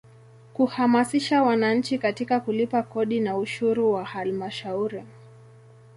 Kuhamasisha wananchi katika kulipa kodi na ushuru wa Halmashauri.